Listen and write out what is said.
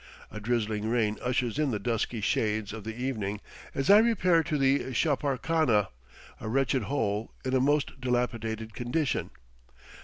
A drizzling rain ushers in the dusky shades of the evening, as I repair to the chaparkhana, a wretched hole, in a most dilapidated condition.